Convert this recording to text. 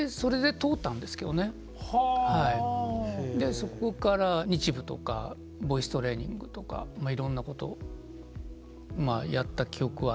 そこから日舞とかボイストレーニングとかいろんなことをまあやった記憶はありますね。